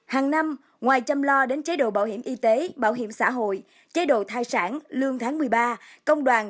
hàng năm ngoài chăm lo đến chế độ bảo hiểm y tế bảo hiểm xã hội chế độ thai sản lương tháng một mươi ba công đoàn